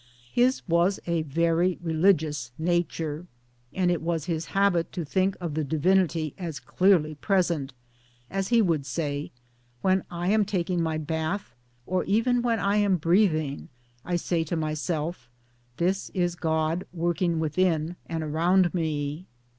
His was a very religious nature, and it was his habit to think of the divinity as clearly present as he would say :" When I am taking my bath or even when I am breathing I say to myself, ' This is God working within and around me.'